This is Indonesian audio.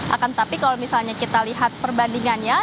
akan tapi kalau misalnya kita lihat perbandingannya